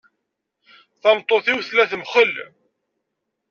Tameṭṭut-iw tella temxell.